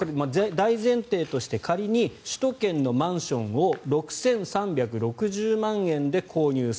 大前提として仮に首都圏のマンションを６３６０万円で購入